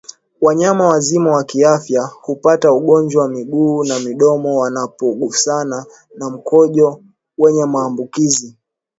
Wanyama wazima kiafya hupata ugonjwa wa miguu na midomo wanapogusana na mkojo wenye maambukizi